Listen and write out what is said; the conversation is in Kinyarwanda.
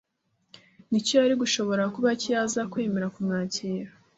n'icyo yari gushobora kuba cyo iyo iza kwemera kumwakira